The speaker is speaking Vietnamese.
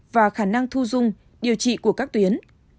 và khả năng thu dung điều trị của các tuyến